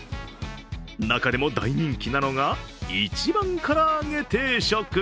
中でも大人気なのが、一番唐揚げ定食。